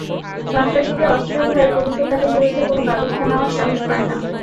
সন্ত্রাসীদের অস্ত্রের ভয়ে পুলিশও তাদের বিরুদ্ধে কোনো ব্যবস্থা নেওয়ার সাহস পায় না।